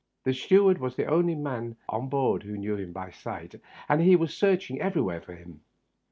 The steward was the only man on board who knew him by sight, and he has been searching everywhere for him.